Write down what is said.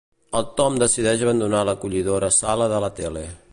El Tom decideix abandonar l'acollidora sala de la tele.